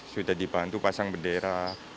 sudah dibantu pasang bendera